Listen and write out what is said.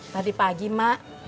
tadi pagi mak